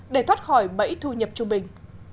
để thoát khỏi bẫy thu nhập trung bình